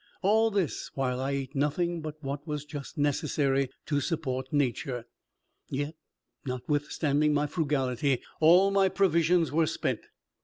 All this while I ate nothing but what was just necessary to support nature; yet, notwithstanding my frugality, all my provisions were spent.